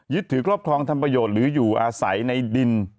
ถือครอบครองทำประโยชน์หรืออยู่อาศัยในดิน